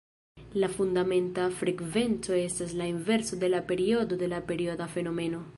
La fundamenta frekvenco estas la inverso de la periodo de la perioda fenomeno.